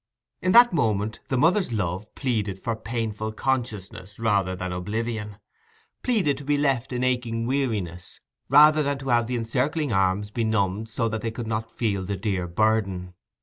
In that moment the mother's love pleaded for painful consciousness rather than oblivion—pleaded to be left in aching weariness, rather than to have the encircling arms benumbed so that they could not feel the dear burden.